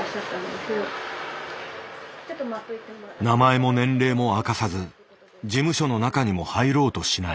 名前も年齢も明かさず事務所の中にも入ろうとしない。